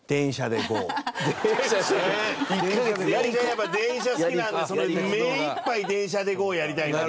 やっぱ電車好きなんで目いっぱい『電車でＧＯ！！』やりたいなっていう。